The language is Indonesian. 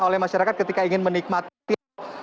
oleh masyarakat ketika ingin menikmati